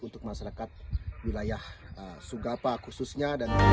untuk masyarakat wilayah sugapa khususnya